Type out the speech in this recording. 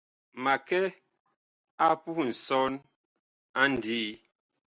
Ma kɛ a puh nsɔn a ndii.